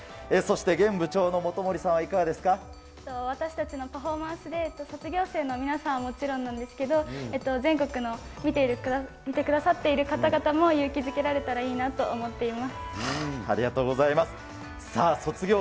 そして、私たちのパフォーマンスで、卒業生の皆さんはもちろんなんですけど、全国の見てくださっている方々も勇気づけられたらいいなと思って